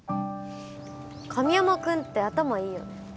神山くんって頭いいよね